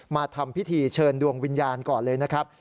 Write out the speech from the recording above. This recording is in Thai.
มาทำพิธีเชิญดวงวิญญาณก่อนเลยนะครับ